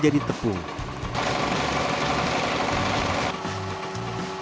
kalau tidak kunggu